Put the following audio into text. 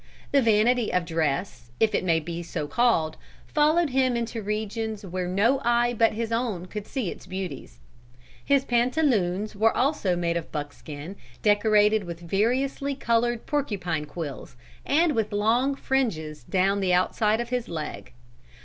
The vanity of dress, if it may be so called, followed him into regions where no eye but his own could see its beauties. His pantaloons were also made of buckskin decorated with variously colored porcupine quills and with long fringes down the outside of the leg.